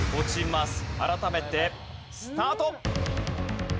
改めてスタート！